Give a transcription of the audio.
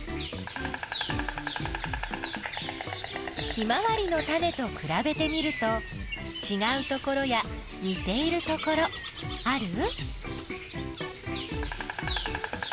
ヒマワリのタネとくらべてみるとちがうところやにているところある？